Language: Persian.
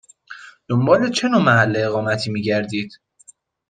دنبال چه نوع محل اقامتی می گردید؟